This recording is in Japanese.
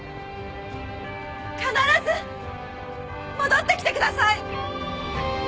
必ず戻ってきてください